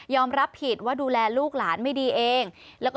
ยอมรับผิดว่าดูแลลูกหลานไม่ดีเอง